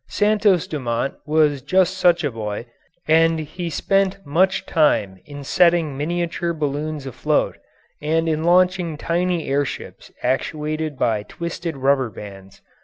Santos Dumont was just such a boy, and he spent much time in setting miniature balloons afloat, and in launching tiny air ships actuated by twisted rubber bands.